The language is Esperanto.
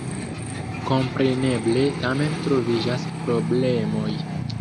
Kompreneble tamen troviĝas problemoj.